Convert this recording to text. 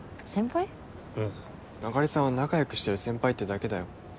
うんあかりさんは仲よくしてる先輩ってだけだよ